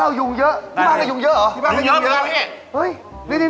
สโต๊ะเหมือนกับครี่